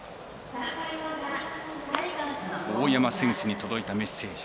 大山選手に届いたメッセージ。